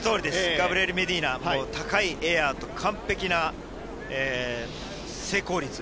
ガブリエル・メディーナ、高いエアと完璧な成功率。